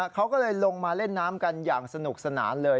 เขาก็เลยลงมาเล่นน้ำกันอย่างสนุกสนานเลย